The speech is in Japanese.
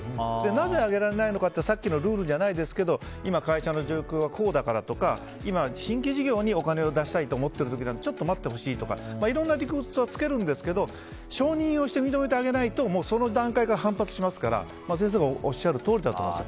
なぜ上げられないのかってさっきのルールじゃないですけど今、会社の状況はこうだからとか今、新規事業にお金を出したいと思ってる時なんかはちょっと待ってほしいとかいろんな理屈をつけるんですけど承認をして認めてあげないとその段階から反発しますから、先生がおっしゃるとおりだと思います。